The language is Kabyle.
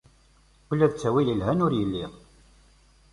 Ula d ttawil yelhan ur yelli.